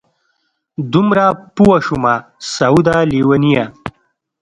دومره پوه شومه سعوده لېونیه!